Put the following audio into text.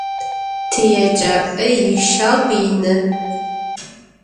Tiêcap'e yişagu yinı.